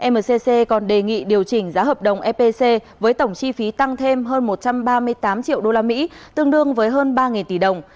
mcc còn đề nghị điều chỉnh giá hợp đồng epc với tổng chi phí tăng thêm hơn một trăm ba mươi tám triệu usd tương đương với hơn ba tỷ đồng